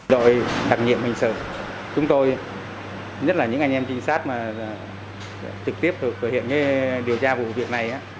đội đặc nhiệm hình sự chúng tôi nhất là những anh em trinh sát mà trực tiếp thực hiện điều tra vụ việc này